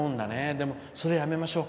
でも、それ、やめましょう。